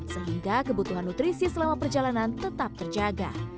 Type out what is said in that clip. sehingga kebutuhan nutrisi selama perjalanan tetap terjaga